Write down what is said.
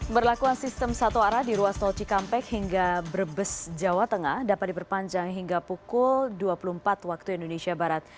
berlakuan sistem satu arah di ruas tol cikampek hingga brebes jawa tengah dapat diperpanjang hingga pukul dua puluh empat waktu indonesia barat